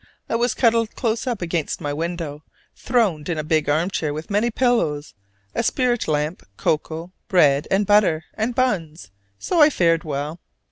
I was cuddled close up against my window, throned in a big arm chair with many pillows, a spirit lamp, cocoa, bread and butter, and buns; so I fared well.